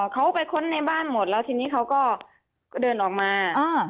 เขาไปค้นในบ้านหมดแล้วทีนี้เขาก็เดินออกมา